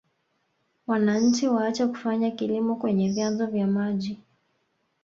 Wananchi waache kufanya kilimo kwenye vyanzo vya maji